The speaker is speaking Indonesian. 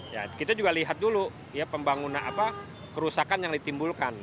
ya kita juga lihat dulu ya pembangunan apa kerusakan yang ditimbulkan